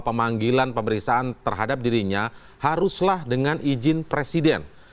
pemanggilan pemeriksaan terhadap dirinya haruslah dengan izin presiden